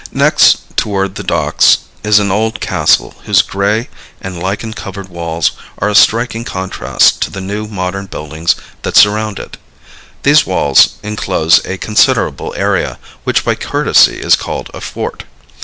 Next toward the docks is an old castle whose gray and lichen covered walls are a striking contrast to the new modern buildings that surround it. These walls inclose a considerable area, which by courtesy is called a fort.